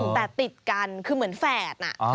แต่ติดกันคือเหมือนแฝด